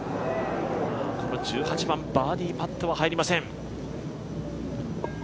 この１８番、バーディーパットは入りません。